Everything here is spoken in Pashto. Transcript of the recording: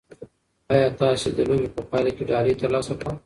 ایا تاسي د لوبې په پایله کې ډالۍ ترلاسه کړه؟